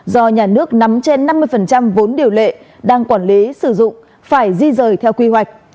do nhà nước nắm trên năm mươi vốn điều lệ đang quản lý sử dụng phải di rời theo quy hoạch